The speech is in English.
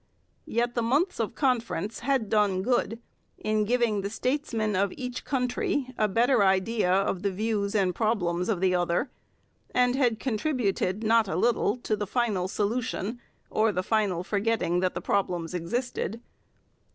Yet the months of conference had done good in giving the statesmen of each country a better idea of the views and problems of the other, and had contributed not a little to the final solution or the final forgetting that the problems existed.